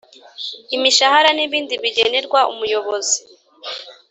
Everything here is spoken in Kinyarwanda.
Imishahara n ibindi bigenerwa Umuyobozi